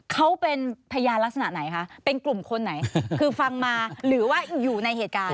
เขาเป็นพยานลักษณะไหนคะเป็นกลุ่มคนไหนคือฟังมาหรือว่าอยู่ในเหตุการณ์